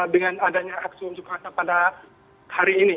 dengan adanya aksi unjuk rasa pada hari ini